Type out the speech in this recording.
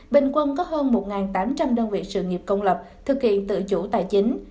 bình quân có hơn một tám trăm linh đơn vị sự nghiệp công lập thực hiện tự chủ tài chính